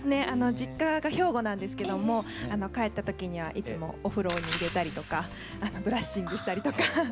実家が兵庫なんですけども帰った時にはいつもお風呂に入れたりとかブラッシングしたりとか。